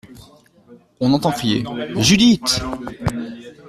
On entend crier : Judith !